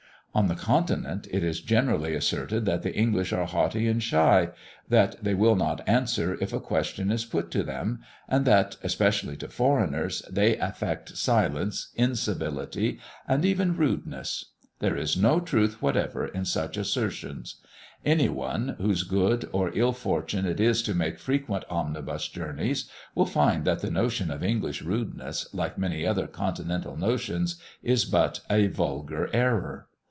On the Continent, it is generally asserted that the English are haughty and shy, that they will not answer if a question is put to them; and that, especially to foreigners, they affect silence, incivility, and even rudeness. There is no truth whatever in such assertions. Any one, whose good or ill fortune it is to make frequent omnibus journeys, will find that the notion of English rudeness, like many other Continental notions, is but a vulgar error.